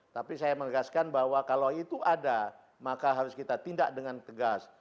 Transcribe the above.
tapi saya menegaskan bahwa kalau itu ada maka harus kita tindak dengan tegas